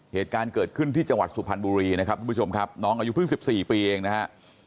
เหตุการณ์เกิดขึ้นที่จังหวัดสุพรรณบุรีนะครับทุกผู้ชมครับน้องอายุเพิ่ง๑๔ปีเองนะฮะ